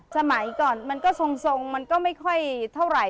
สมัยก่อนมันก็ทรงมันก็ไม่ค่อยเท่าไหร่